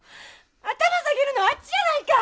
頭下げるのはあっちじゃないか！